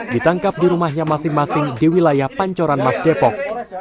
ditangkap di rumahnya masing masing di wilayah pancoran mas depok